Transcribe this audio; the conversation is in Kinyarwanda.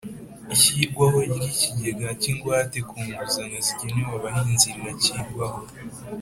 ishyirwaho ry'ikigega cy'ingwate ku nguzanyo zigenewe abahinzi riracyigwaho.